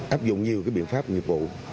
áp dụng nhiều biện pháp nhiệm vụ